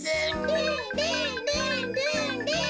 「ルンルンルンルンルン」